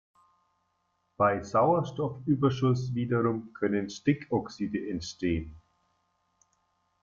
Bei Sauerstoffüberschuss wiederum können Stickoxide entstehen.